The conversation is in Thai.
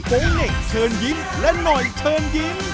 เหน่งเชิญยิ้มและหน่อยเชิญยิ้ม